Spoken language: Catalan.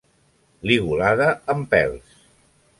Ligulada amb pèls.